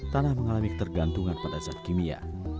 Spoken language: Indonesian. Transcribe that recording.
tanah mengalami ketergantungan pada zat kimia